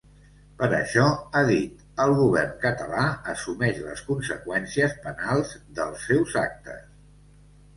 Per això, ha dit, el govern català assumeix les conseqüències penals dels seus actes.